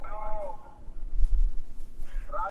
د غیرت او د ناموس خبره ولاړه `